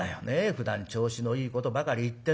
ふだん調子のいいことばかり言ってね。